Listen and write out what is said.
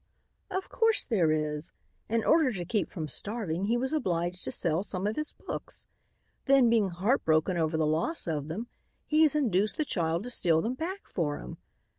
"Of course there is. In order to keep from starving, he was obliged to sell some of his books. Then, being heartbroken over the loss of them, he has induced the child to steal them back for him.